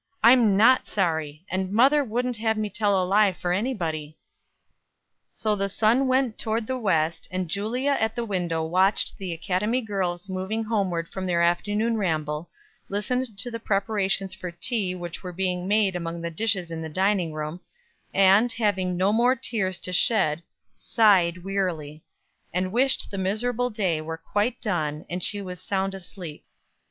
I'm not sorry; and mother wouldn't have me tell a lie for anybody." So the sun went toward the west, and Julia at the window watched the academy girls moving homeward from their afternoon ramble, listened to the preparations for tea which were being made among the dishes in the dining room, and, having no more tears to shed, sighed wearily, and wished the miserable day were quite done and she was sound asleep.